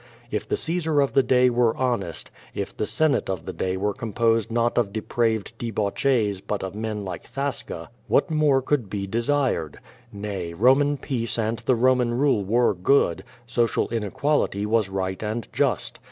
If the Caesar of the day were hon est, if the Senate of the day were composed not of depraved debauchees, but of men like Thasca, what more could be de sired? Nay, Boman peace and the Roman rule were good; social inequality was right and just.